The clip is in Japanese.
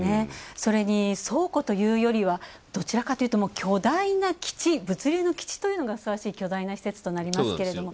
それに倉庫というよりはどちらかというと巨大な物流の基地というのがふさわしい巨大な施設となりますけども。